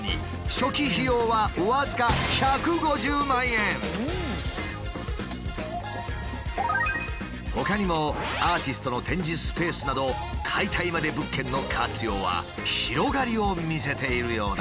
初期費用は僅かほかにもアーティストの展示スペースなど解体まで物件の活用は広がりを見せているようだ。